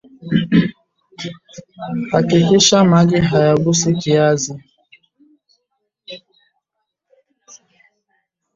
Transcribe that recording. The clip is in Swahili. hakikisha maji hayagusi kiazi